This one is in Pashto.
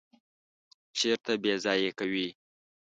چیرته ییضایع کوی؟